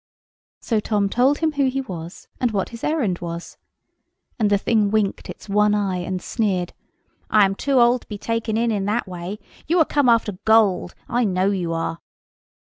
So Tom told him who he was, and what his errand was. And the thing winked its one eye, and sneered: "I am too old to be taken in in that way. You are come after gold—I know you are."